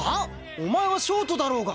お前はショートだろうが！